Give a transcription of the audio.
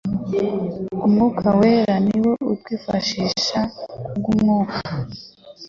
Umwuka wera ni we utwifashisha. Kubw'Umwuka.